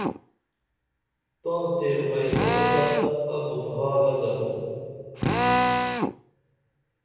تاں تیر بئیسن تہ ابُت حالہ درو